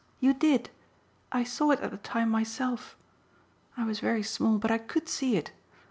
You did. I saw it at the time myself. I was very small, but I COULD see it.